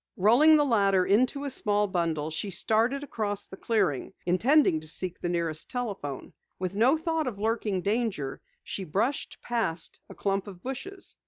Rolling the ladder into a small bundle, she started across the clearing, intending to seek the nearest telephone. With no thought of lurking danger, she brushed past a clump of bushes.